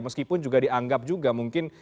meskipun juga dianggap juga mungkin